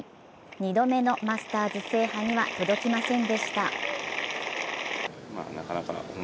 ２度目のマスターズ制覇には届きませんでした。